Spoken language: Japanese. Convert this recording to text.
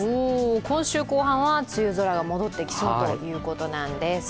今週後半は梅雨空が戻ってきそうということなんです。